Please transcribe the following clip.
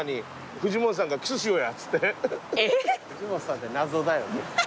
⁉藤本さんって謎だよね。